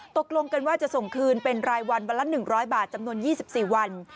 ตกลงกันว่าจะส่งคืนเป็นรายวันวันละหนึ่งร้อยบาทจำนวนยี่สิบสี่วัน